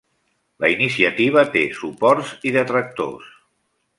La iniciativa té suports i detractors.